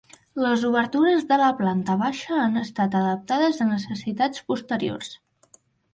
Les obertures de la planta baixa han estat adaptades a necessitats posteriors.